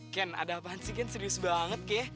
ken ada apaan sih ken serius banget ke